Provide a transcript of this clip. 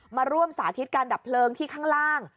มาร่วมสาธิตการดับเพลิงที่ข้างล่าง